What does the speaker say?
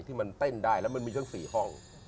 ที่มันเต้นได้แล้วมันมีทั้ง๔ห้อง